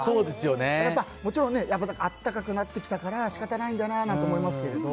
もちろん、暖かくなってきたから仕方ないんだなって思いますけれど。